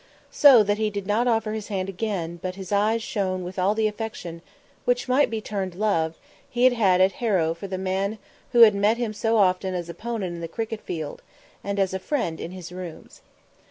So that he did not offer his hand again, but his eyes shone with all the affection, which might be termed love, he had had at Harrow for the man who had met him so often as opponent in the cricket field, and as a friend in his rooms.